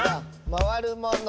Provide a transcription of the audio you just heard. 「まわるもの」